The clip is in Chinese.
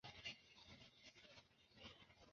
任何人物都可以在三种不同剑质中选择其一。